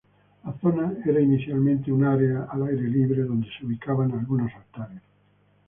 La zona era inicialmente un área al aire libre donde se ubicaban algunos altares.